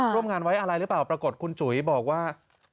ร่วมงานไว้อะไรหรือเปล่าปรากฏคุณจุ๋ยบอกว่า